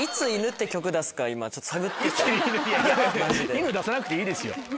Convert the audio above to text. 『犬』出さなくていいですよ。